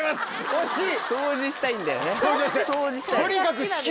惜しい！